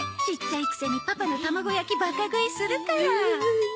ちっちゃいくせにパパの卵焼きバカ食いするから。